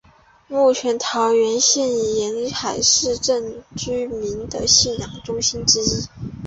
目前是桃园县沿海乡镇居民的信仰中心之一。